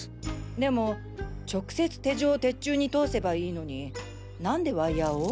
でも直接手錠を鉄柱に通せばいいのに何でワイヤーを？